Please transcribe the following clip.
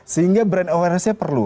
sehingga brand awarenessnya perlu